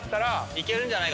いけるんじゃないかと。